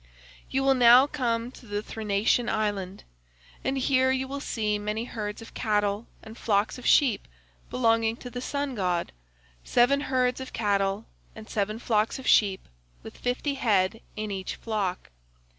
"'You will now come to the Thrinacian island, and here you will see many herds of cattle and flocks of sheep belonging to the sun god—seven herds of cattle and seven flocks of sheep, with fifty head in each flock.